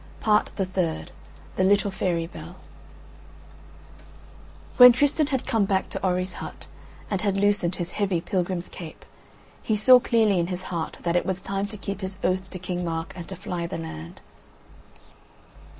PART THE THIRD THE LITTLE FAIRY BELL When Tristan had come back to Orri's hut, and had loosened his heavy pilgrim's cape, he saw clearly in his heart that it was time to keep his oath to King Mark and to fly the land.